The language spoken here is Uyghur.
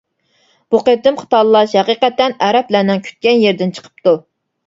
بۇ قېتىمقى تاللاش ھەقىقەتەن ئەرەبلەرنىڭ كۈتكەن يېرىدىن چىقىپتۇ.